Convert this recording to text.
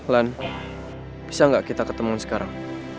lan bisa nggak kita ketemu sekarang